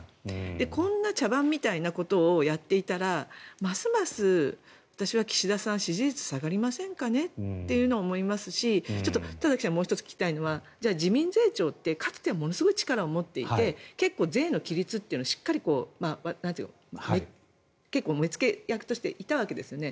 こんな茶番みたいなことをやっていたらますます私は岸田さんの支持率下がりませんかねと思いますし田崎さん、もう１つ聞きたいのは自民税調ってかつてはものすごく力を持っていて結構、税の規律はしっかりと目付け役としていたわけですね。